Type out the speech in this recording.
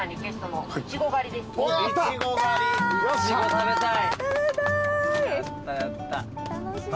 食べたい。